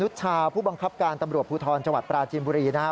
นุชชาวผู้บังคับการตำรวจภูทรจปราจิมบุรีนะครับ